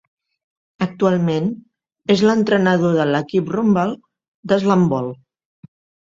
Actualment, és l'entrenador de l'equip Rumble de Slamball.